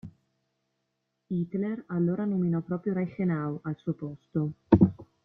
Hitler allora nominò proprio Reichenau al suo posto.